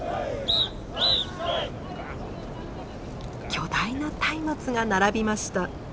巨大な松明が並びました。